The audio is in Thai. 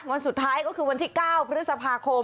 วันสุดท้ายก็คือวันที่๙พฤษภาคม